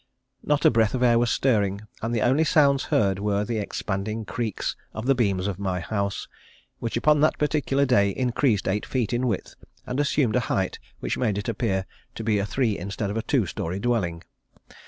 Not a breath of air was stirring, and the only sounds heard were the expanding creaks of the beams of my house, which upon that particular day increased eight feet in width and assumed a height which made it appear to be a three instead of a two story dwelling.